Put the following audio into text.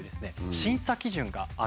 審査基準があるんです。